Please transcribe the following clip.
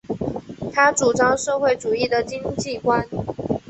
他主张社会主义的经济观。